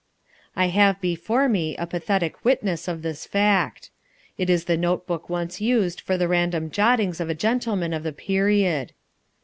I have before me a pathetic witness of this fact. It is the note book once used for the random jottings of a gentleman of the period.